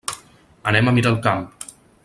Anem a Miralcamp.